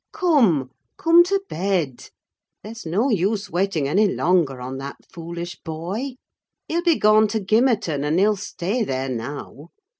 Come, come to bed! there's no use waiting any longer on that foolish boy: he'll be gone to Gimmerton, and he'll stay there now.